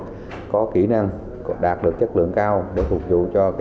australia là một trong những doanh nghiệp có kỹ năng đạt được chất lượng cao để phục vụ cho ngành logistics